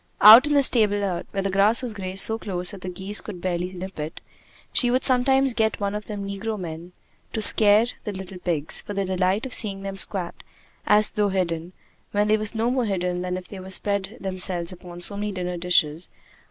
Out in the stable lot, where the grass was grazed so close that the geese could barely nip it, she would sometimes get one of the negro men to scare the little pigs, for the delight of seeing them squat as though hidden, when they were no more hidden than if they had spread themselves out upon so many dinner dishes.